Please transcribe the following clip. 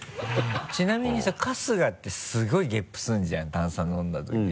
ちなみにさ春日ってすごいゲップするじゃん炭酸飲んだときに。